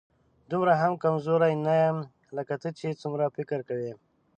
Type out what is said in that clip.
دومره هم کمزوری نه یم، لکه ته چې څومره فکر کوې